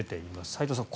齋藤さん